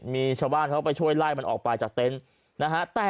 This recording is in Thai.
มีชาวบ้านเขาไปช่วยไล่มันออกไปจากเต็นต์นะฮะ